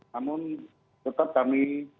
namun tetap kami